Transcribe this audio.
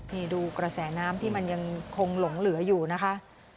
นี่ดูกระแสน้ำที่มันยังคงหลงเหลืออยู่นะคะ